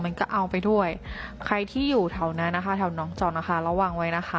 มันก็เอาไปด้วยใครที่อยู่แถวนั้นนะคะแถวน้องจอนนะคะระวังไว้นะคะ